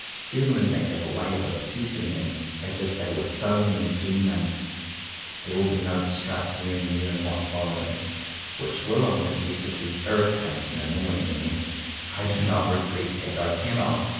Certainly they have a way of obsessing me as if they were so many demons. 12 JOHN COWPER POWYS There will be notes struck here and there in what follows, which will of necessity irritate and annoy many. I do not regret that: I cannot.